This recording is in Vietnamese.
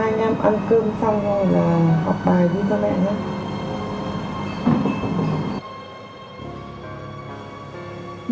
hai năm ăn cơm xong rồi là học bài đi cho mẹ nha